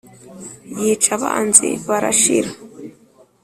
yica abanzi barashira